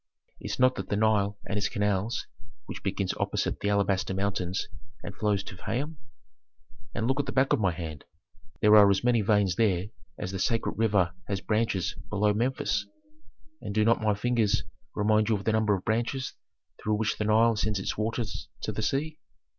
Is not that the Nile and its canals, which begins opposite the Alabaster mountains and flows to Fayum? And look at the back of my hand: there are as many veins there as the sacred river has branches below Memphis. And do not my fingers remind you of the number of branches through which the Nile sends its waters to the sea?"